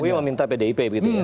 mui meminta pdip begitu ya